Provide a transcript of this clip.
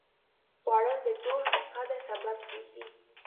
خوړل د دوست د قدر سبب کېږي